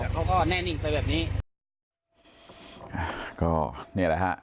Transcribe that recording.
เขาก็แน่นิ่งไปแบบนี้